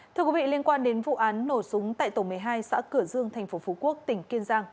thưa quý vị liên quan đến vụ án nổ súng tại tổng một mươi hai xã cửa dương thành phố phú quốc tỉnh kiên giang